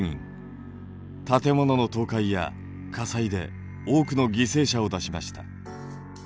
建物の倒壊や火災で多くの犠牲者を出しました。